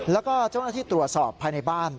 แล้วก็เจ้าหน้าที่ตรวจสอบภายในบ้าน